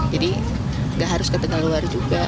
jadi gak harus ke tegaluar juga